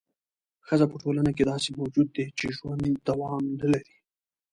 ښځه په ټولنه کې داسې موجود دی چې ژوند دوام نه لري.